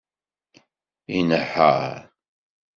Inehheṛ.